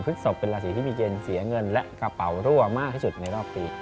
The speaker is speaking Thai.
ศพเป็นราศีที่มีเกณฑ์เสียเงินและกระเป๋ารั่วมากที่สุดในรอบปี